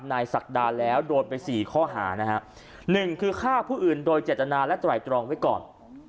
ศักดาแล้วโดนไปสี่ข้อหานะฮะหนึ่งคือฆ่าผู้อื่นโดยเจตนาและไตรตรองไว้ก่อน